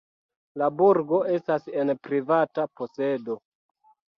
La burgo estas en privata posedo.